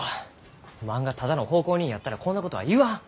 おまんがただの奉公人やったらこんなことは言わん。